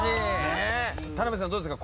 田辺さんどうですか？